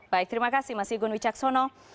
baik terima kasih mas igun wicaksono